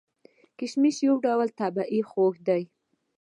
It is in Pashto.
کشمش یو ډول طبیعي خوږ دی.